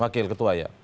wakil ketua ya